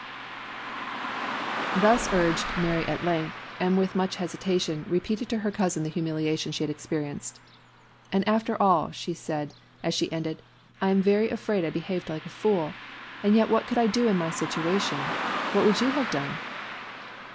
"_ Thus urged, Mary at length, and with much hesitation, related to her cousin the humiliation she had experienced. "And after all," said she, as she ended, "I am afraid I behaved very like a fool. And yet what could I do in my situation, what would you have done?"